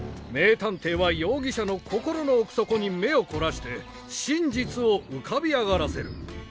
名探偵は容疑者の心の奥底に目を凝らして真実を浮かび上がらせる。